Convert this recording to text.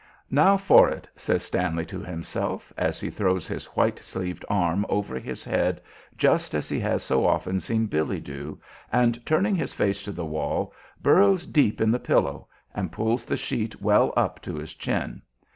"Now for it!" says Stanley to himself, as he throws his white sleeved arm over his head just as he has so often seen Billy do, and turning his face to the wall, burrows deep in the pillow and pulls the sheet well up to his chin.